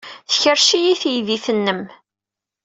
Tkerrec-iyi teydit-nnem.